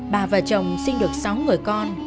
bà và chồng sinh được sáu người con